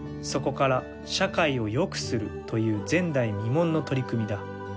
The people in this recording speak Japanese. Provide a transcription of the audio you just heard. そこから社会を良くするという前代未聞の取り組みだ。